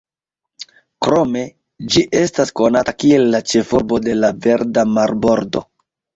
Krome, ĝi estas konata kiel la ĉefurbo de la "Verda marbordo".